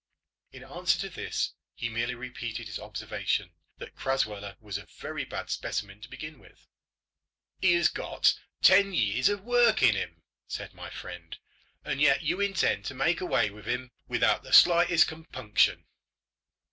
In answer to this he merely repeated his observation that Crasweller was a very bad specimen to begin with. "He has got ten years of work in him," said my friend, "and yet you intend to make away with him without the slightest compunction."